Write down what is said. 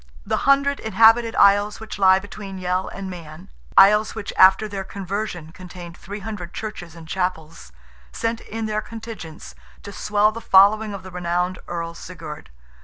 The hundred inhabited isles which lie between Yell and Man,—isles which after their conversion contained "three hundred churches and chapels"—sent in their contingents, to swell the following of the renowned Earl Sigurd.